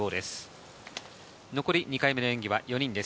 残り２回目の演技は４人です。